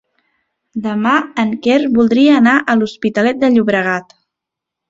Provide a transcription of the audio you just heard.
Demà en Quer voldria anar a l'Hospitalet de Llobregat.